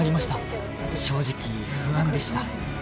正直不安でした